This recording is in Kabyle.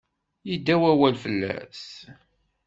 Yedda wawal fell-as.